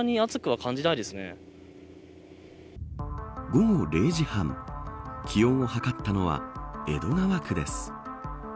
午後０時半気温をはかったのは江戸川区です